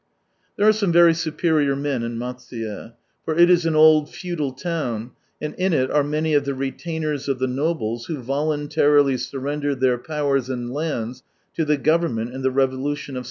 There are some very superior men in Maisuye, for it is an old feudal town, and in it are many of the retainers of the nobles who voluntarily surrendered their powers and lands to the Government in the Revolution of '68.